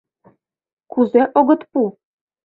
— Кузе огыт пу?..